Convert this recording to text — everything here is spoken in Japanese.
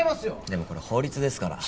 でもこれ法律ですから。